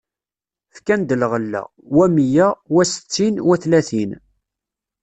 Fkan-d lɣella: wa meyya, wa settin, wa tlatin.